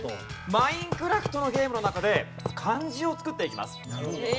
『マインクラフト』のゲームの中で漢字を作っていきます。